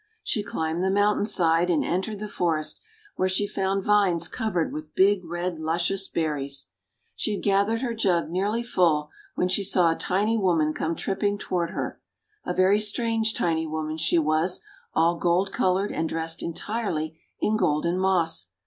She climbed the mountain side, and entered the forest, where she found vines covered with big, red, luscious berries. She had gathered her jug nearly full, when she saw a tiny woman come tripping toward her. A very strange tiny woman she was, all gold coloured and dressed entirely in golden moss.